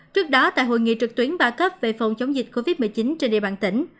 trước đó tại hội nghị trực tuyến ba cấp về phòng chống dịch covid một mươi chín trên địa bàn tỉnh